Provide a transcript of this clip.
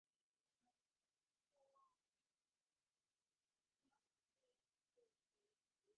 নূপুর পরে সারা ঘর হাঁটবে আর ঝনঝন শব্দের মোহনীয়তায় মুগ্ধ হব আমরা।